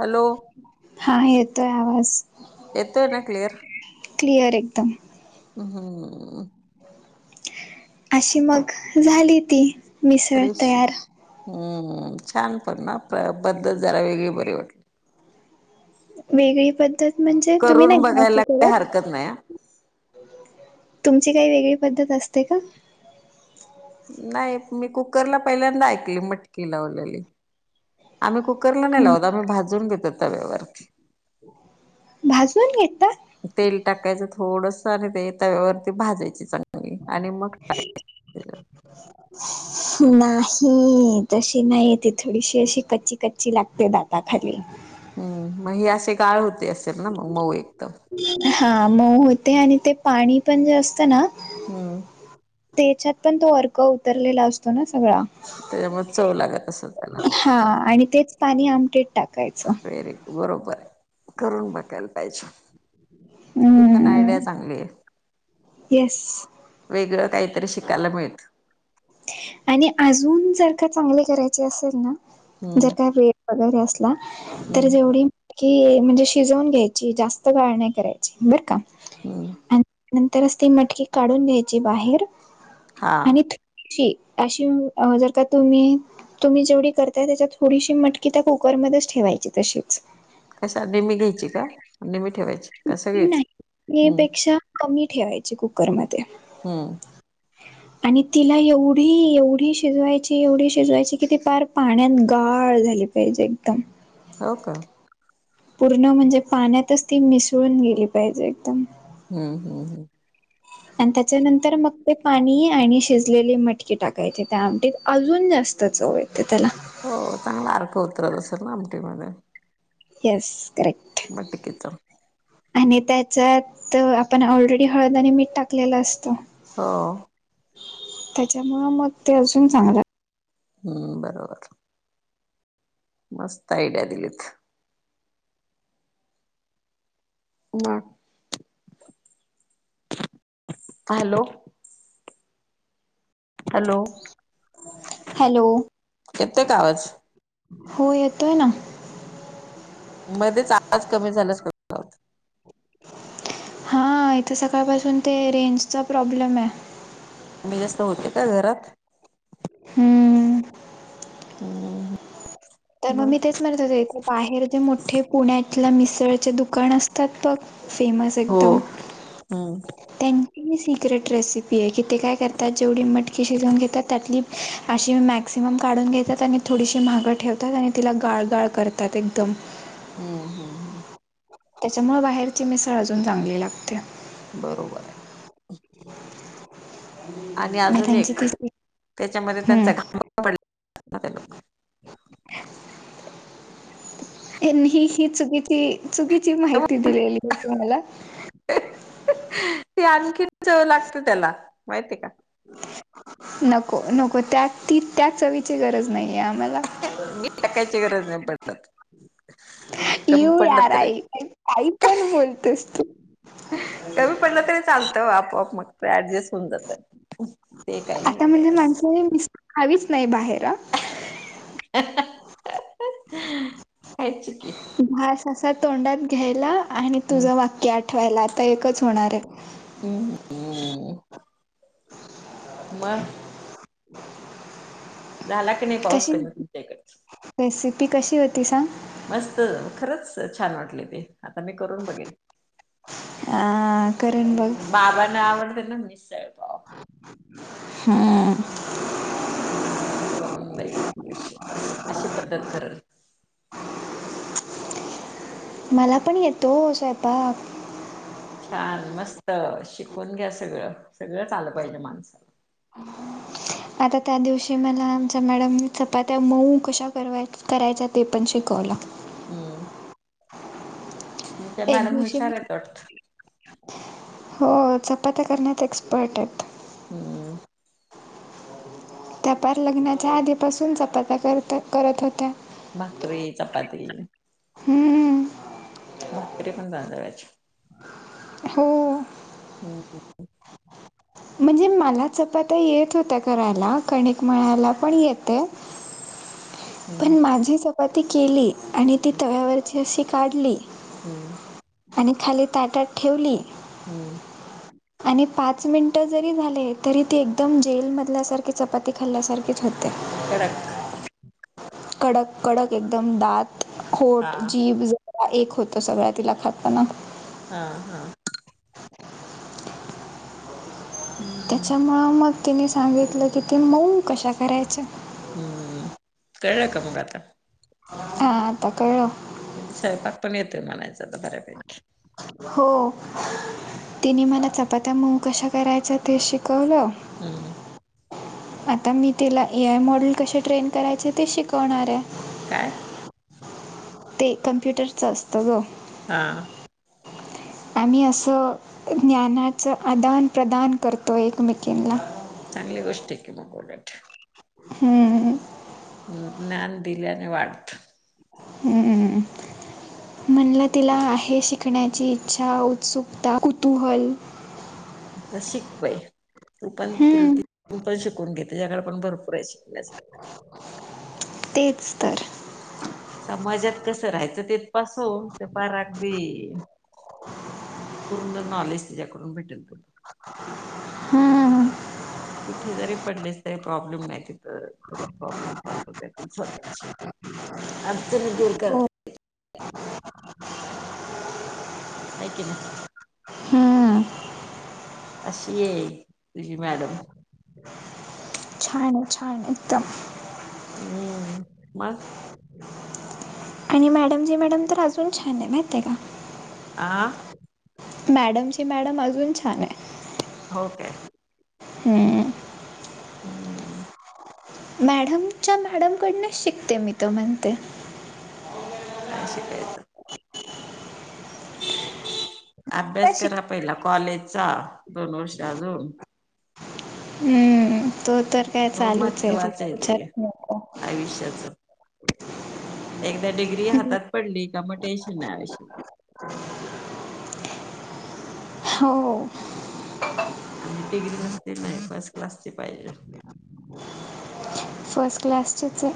Hello. हा येतोय आवाज. येतोय ना क्लिअर. क्लिअर एकदम. हम. अशी मग, झाली ती. मिसळ त्रेशी तयार हम्म छान पण ना, बद्धत जरा वेगळी बरी वाटली. वेगळी पद्धत म्हणजे, तुम्ही करून नाही बघायला [unintelligible] काही करत. हरकत नाही हा तुमची काही वेगळी पद्धत असते का. नाही मी कुकरला पहिल्यांदा ऐकली मटकी लावलेली. आम्ही कुकरला नाही लावत, आम्ही भाजून घेतो तव्यावरती. भाजून घेता. तेल टाकायचं थोडस आणि ते तव्यावरती भाजायची चांगली आणि मग टाकायची. [inaudible] नाही तशी नाही ती थोडीशी अशी कच्ची कच्ची लागते दाळ. ता खाली हम्म मग ही अशी गाळ होत असेल ना मऊ एकदम. हा मऊ होते आणि ते पाणी पण जास्त ना हम्म त्याच्यात पण तो अर्क उतरलेला असतो ना सगळा. त्याच्यामुळ चव लागत असल त्याला हा चा आणि तेच पाणी आमटीत टाकायचं. वेरी बरोबर आहे करून बघाल पाहिजे. ही पण हम्म आयडिया चांगली आहे. येस वेगळं काहीतरी शिकायला मिळतं. आणि अजून जर का चांगले करायचे असेल ना जर हम्म का वेळ वगैरे अस ना तर हम्म जेवढी मटकी म्हणजे शिजून घ्यायची जास्त गाळ नाही करायची, बर का. हम्म नंतरस ती मटकी काढून घ्यायची बाहेर हा आणि अशी, अशी जर का तुम्ही तुम्ही जेवढी करताय त्याच्यात थोडीशी मटकी त्या कुकर मध्येच ठेवायची तशीच. अच्छा नीमी घ्यायची का? नीमी ठेवायची का सगळीच? नीम हम्म पेक्षा कमी ठेवायची कुकरमध्ये हम्म आणि तिला एवढी एवढी शिजवायची एवढी शिजवायची, की ती फार पाण्यात गाळ झाली पाहिजे एकदम हो का पूर्ण म्हणजे पाण्यातच ती मिसळून गेली पाहिजे एकदम. हम्म हम्म हम्म अन त्याच्यानंतर मग ते पाणी आणि शिजलेली मटकी टाकायची त्या आमटीत अजून जास्त चवये ते त्याला. हो चांगला अर्क उतरत असेल ना आमटीमध्ये. Yes correct. मटकीच आणि त्याच्यात आपण ऑलरेडी हळद आणि मीठ टाकलेल असत. हो त्याच्यामुळ मग ते अजून चांगलं. हम्म बरोबर मस्त आईड्या दिलीत. मंग हॅलो हॅलो हॅलो, येतोय का आवाज हो येतोय ना. मध्येच आवाज कमी झाल्यास [unintelligible] हा इथे सकाळपासून ते रेंजचा प्रॉब्लेम आहे. कमी जास्त होते का घरात? हम्म हम्म तर मग मी तेच म्हणत होते इथे बाहेर जे मोठे पुण्यातल्या मिसळचे दुकान असतात बघ. फेमस हो एकदम. हम्म त्यांची सिक्रेट रेसिपी आहे कि ते काय करतात जेवढी मटकी शिजवून घेतात त्यातली- अशी मॅक्सिमम काढून घेतात आणि थोडीशी माग ठेवतात. आणि तिला गाळगाळ करतात एकदम. हम्म हम्म हम् त्याच्यामुळे बाहेरची मिसळ अजून चांगली लागते. बरोबर आहे. आणि मग अजून त्यांची एक ती त्याच्यामध्ये हम्म त्यांचा घ [unintelligible] त्यांनी ही चुकीची चुकीची माहिती दिलेली होती मला. ते आणखीन चव लागते त्याला माहितिये का? नको, नको त्या ती त्या चवीची गरज नाहीये आम्हाला. मीठ टाकायची गरज नाही पडत. कमी यु पडलं यार तरी आई काही पण बोलतेस तू. कमी पडलं तरी चालतं आपआप मग तेच ऍडजस्ट- होऊन जात ते काही नाही आता काय म्हणजे माणसं मिसळ खावीच नाही बाहेर. खायचं कि. तो घास असा तोंडात घ्यायला आणि हम्म तुझं वाक्य आठवायला आता एकच होणार आहे. हम्म हम्म मग झाला की नाही पाऊस कशी कमी तुमच्याकडचा. रेसिपी कशी होती सांग मस्त खरंच छान वाटल ते. आता मी करून बघेल. अ करण बघ बाबांना आवडते ना मिसळ पाव. हम्म त्यांना करून दे एक दिवशी मिसळ अशी पद्धत - मला पण येतो स्वयंपाक. छान मस्त शिकून घ्या सगळं सगळंच आलं पाहिजे माणसाला. आता त्या दिवशी मला आमच्या मॅडम चपात्या मऊ कशा बनवायच्या करायच्या ते पण शिकवला. हम्म तुमच्या एक मॅडम हुशार दिवशीहो आहेत वाटत. चपात्या करण्यात एक्सपर्ट आहेत. हम्म त्या पार लग्नाच्या आधीपासून चपात्या करत करत होत्या. भाकरी, चपाती, हम्म भाकरी पण [unintelligible] हो हम्म हम्म म्हणजे मला चपात्या येत होत्या करायला कणिक मळायला पण येत. हम्म पण माझी चपाती केली आणि ती तव्यावरची अशी काढली. हम्म. आणि खाली ताटात ठेवली. हम्म. [inaudible] आणि पाच मिनिटं जरी झाले, तरी ती एकदम जेलमधल्यासारखी चपाती खाल्ल्यासारखीच होते. कंडक. कंडक कंडक एकदंम दांत हा खोटं जीभ एक होतं सगळ्यां तिलां खातांना. हां हां. हम्म त्यांच्यामुळे मंग तिने सांगितलं की ती मऊं कशां करांयचा. हम्मं कळलं कां मंग आंता. हां आंता कळलं. म्हणजे स्वयंपाक पणं येतोय म्हणायचां तरं बऱ्यांपैकी. हो. तिने मलां चपांत्या मऊं कशां करांयच ते शिकवलं. हम्मं. आंता मी तिलां ए आय मॉडेल कसे ट्रेन करायचे ते शिकवणांर आहे. कायं? ते कम्प्युटरचं असतं गं. हां. आम्हीं असं ज्ञानाचं आंदान प्रदांन करतो एकमेकींना. चांगली गोष्ट आहे की मगं उलटं. हम्मं हम्मं. ज्ञांन दिल्याने वाढतं. हम्मं. म्हणलं तिलां आहे शिकण्यांची ईच्छा उत्सुंकता कुतूंहल. अश्विन बयां तूं करं तिलां हम्म, तूं पणं शिकूंण घे तसंच तेचं तरं. समाजांत कसं राहायचं तेथं पासून ते पारं अगदीं. हम्मं पूर्ण नॉलेज तिच्यांकडूंन भेटेल तुलां. हम्मं. कुंठे जरी पडलेस तरी प्रॉब्लेम नाहीं तिथ तुझां प्रॉब्लेम सॉल्व. त्यांतील स्वंतःची अडचने दूंर हो करते. है की नाहीं. हम्मं. अशी ये तुझी मॅडम. छांन आहे छांन आहे एकदंम. हम्मं पास्. आणि मॅडम जी मॅडम तरं अजूंन छांन आहे माहीत आहे कां. आं. मॅडमची मॅडम अजूंन छांन आहे. हो कायं. हम्मं. हम्मं. मॅडमच्यां मॅडमकंडनचं शिकते मी तरं म्हणते. कायं शिकायचं. अभ्यास शिक करां पहिला कॉलेजचां दोन वर्ष अजूंन हम्म तो तरं कायं हो चालूंचं आहे तुं महत्त्वाचं ते विचारं आयुष्याचं एकदा डिग्री हातात पडली का म टेन्शन नाही आयुष्यभर. हो! आणि डिग्री नसते नाई पासं. क्लासची पाहिजे फर्स्ट क्लासचीच हे!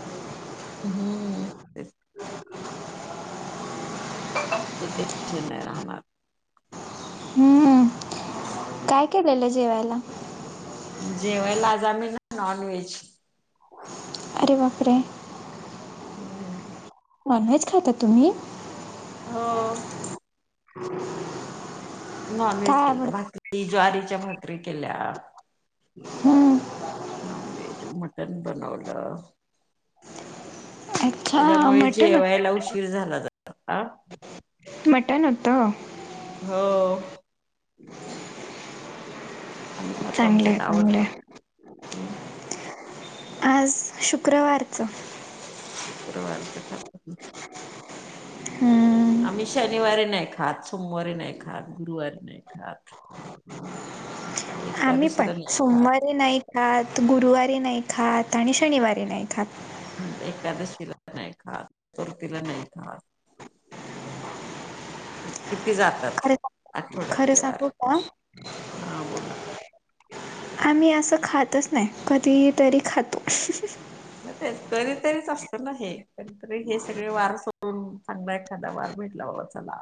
हू! एक टेन्शन नाही राहणार. हू काय काय केल जेवायला? जेवयला आज आम्ही ना नॉन व्हेज. अरे बापरे! हू! नॉनव्हेज खाता तुम्ही? हो! [inaudible] नॉन व्हेज काय केलंत आवडतं? भाकरी ज्वारीच्या भाकरी केल्या. हम्म. नॉनव्हेज मटन बनवल. अच्छा त्याच्यामुळे मटन होत जेवायला उशीर झाला [unintelligible] मटण होत. हो! आम्ही खातो चांगलं आहे आमच्यात चांगलं आवडत आहे. ह! आज शुक्रवारचं? शुक्रवाराच खातात ना! हू! आम्ही शनिवारी नाही खात, सोमवारीे नाही खात, गुरुवारी नाही खात. आम्ही पण एकादशीला नाही खात सोमवारी नाही खात, गुरुवारी नाही खात, आणि व शनिवारी नाही खात. हू एकादशीला नाही खात, चतुर्थी नाही खात. किती जातात खरं खरं आठवड्यातले वार. सांगू का हा बोला. आम्ही असं खातच नाही कधी तरी खातो. म तेच कधीतरीच असतं ना हे कधीतरी हे सगळे वार सोडून चांगला एखादा वार भेटला चला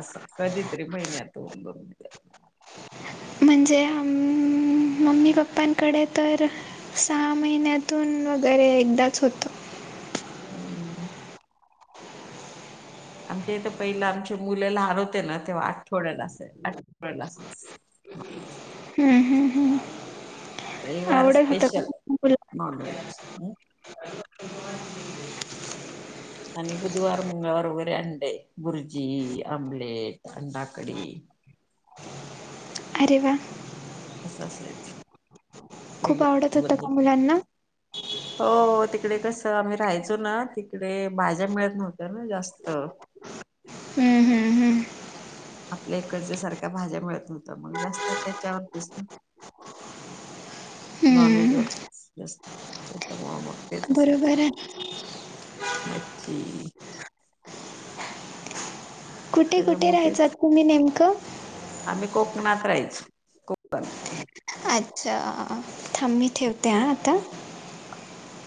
असं कधीतरी महिन्यातून दोन म्हणजे हम्म. मम्मी पप्पांकडे तर सहा महिन्यातून वगैरे एकदाच होतं. हू! आमच्या इथं पहिलं आमचे मुल लहान होतेना तेव्हा आठवड्याला असाय आठवड्याला असायचं. [inaudible] हू हू हू! रविवार स्पेशल मुला नाॉनवेज. [inaudible] आणि बुधवार, मंगळवार वगैरे अंडे भुर्जी, आमलेट अंडाकडी. अरे वा! असं असायच खूप आवडत होतं का वेगवेगळ्या मुलांना [unintelligible] हो तिकडे कसं आम्ही राहायचो ना तिकडे भाज्या मिळत नव्हत्या ना जास्त. हू हू हू! आपल्या इकडच्या सारख्या भाज्या मिळत नव्हत्या, मग जास्त त्याच्या [inaudible] नॉनव्हेज हम्म, वर जास्त [inaudible] तेच असायचं बरोबर आहे मच्छी. कुठे कुठे त्याच्यामुळे राहायचात तेच तुम्ही नेमकं? आम्ही कोकणात राहायचो. बर अच्छा थांब मी ठेवते हा आता. [unintelligible]